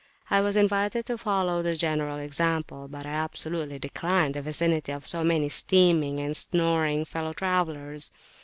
I was invited to follow the general example; but I absolutely declined the vicinity of so many steaming and snoring fellow travellers.